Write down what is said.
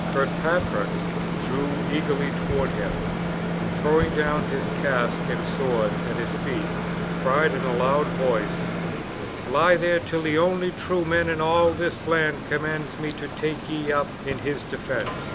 Kirkpatrick drew eagerly toward him, and throwing down his casque and sword at his feet, cried in a loud voice, "Lie there till the only true man in all this land commands me to take ye up in his defense.